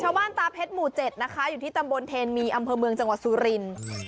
ตาเพชรหมู่๗นะคะอยู่ที่ตำบลเทนมีอำเภอเมืองจังหวัดสุรินทร์